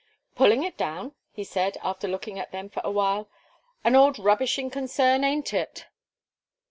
"Pulling it down," he said, after looking at them for awhile, "an old rubbishing concern ain't it?"